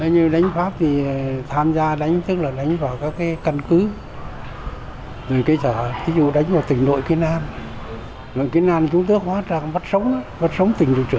nhiều tên ác ôn và tay sai bị tiêu diệt